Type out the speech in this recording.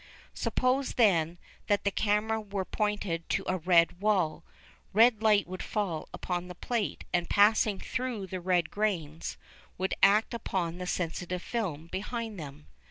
Suppose, then, that the camera were pointed to a red wall; red light would fall upon the plate and, passing through the red grains, would act upon the sensitive film behind them.